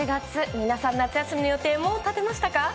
皆さん夏休みの予定、もう立てましたか。